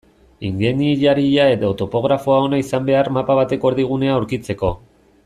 Ingeniaria edo topografo ona izan behar mapa bateko erdigunea aurkitzeko.